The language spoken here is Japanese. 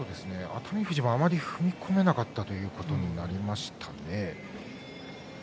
熱海富士、ちょっと踏み込めないということになりましたね。